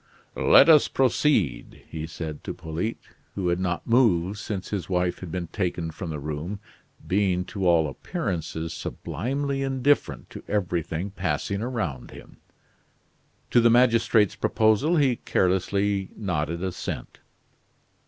"Let us proceed," he said to Polyte, who had not moved since his wife had been taken from the room, being to all appearances sublimely indifferent to everything passing around him. To the magistrate's proposal he carelessly nodded assent.